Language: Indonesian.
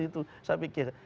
itu saya pikir